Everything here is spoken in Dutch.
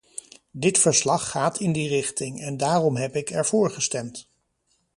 Dit verslag gaat in die richting, en daarom heb ik ervoor gestemd.